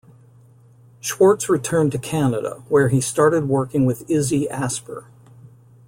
Schwartz returned to Canada, where he started working with Izzy Asper.